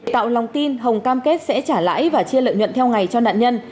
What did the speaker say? tạo lòng tin hồng cam kết sẽ trả lãi và chia lợi nhuận theo ngày cho nạn nhân